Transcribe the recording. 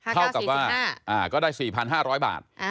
เท่ากับว่าก็ได้๔๕๐๐บาท